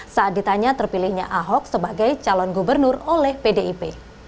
saat ditanya terpilihnya ahok sebagai calon gubernur oleh pdip